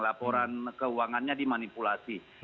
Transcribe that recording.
laporan keuangannya dimanipulasi